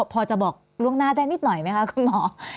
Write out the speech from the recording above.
พอจะบอกล่วงหน้าได้นิดหน่อยไหมคะคุณหมอ